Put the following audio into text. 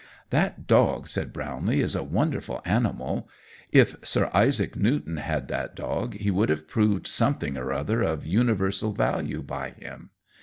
"That dog," said Brownlee, "is a wonderful animal. If Sir Isaac Newton had that dog, he would have proved something or other of universal value by him.